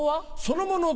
そのもの